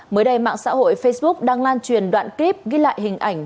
mới đây mạng xã hội facebook đang lan truyền đoạn clip ghi lại hình ảnh